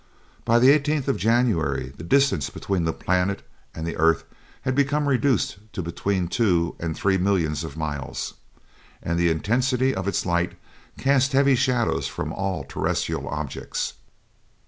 By the 18th of January the distance between that planet and the earth had become reduced to between two and three millions of miles, and the intensity of its light cast heavy shadows from all terrestrial objects.